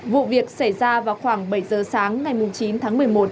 vụ việc xảy ra vào khoảng bảy giờ sáng ngày chín tháng một mươi một